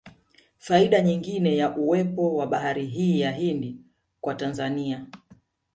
Faida nyingine ya uwepo wa bahari hii ya Hindi kwa Tanzania